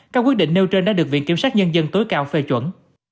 các quyết định nêu trên đã được viện kiểm sát nhân dân tối cao phê chuẩn